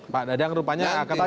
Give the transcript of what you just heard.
pak dadang rupanya akan